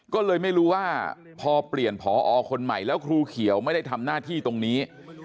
ก็เลยไม่รู้ว่าพอเปลี่ยนพอคนใหม่แล้วครูเขียวไม่ได้ทำหน้าที่ตรงนี้